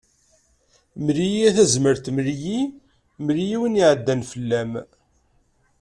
Mel-iyi a Tazmalt mel-iyi, mel-iyi win iɛeddan fell-am.